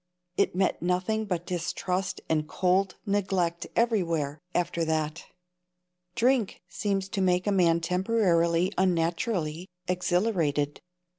It met nothing but distrust and cold neglect everywhere, after that. Drink seems to make a man temporarily unnaturally exhilarated.